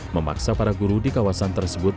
memaksa para guru di kawasan tersebut